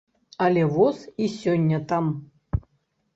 Але воз і сёння там.